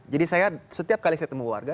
jadi saya setiap kali saya ketemu warga